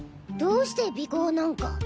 どうして尾行なんか。